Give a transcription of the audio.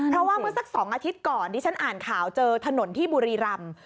เพราะว่าเมื่อสัก๒อาทิตย์ก่อนที่ฉันอ่านข่าวเจอถนนที่บุรีรำ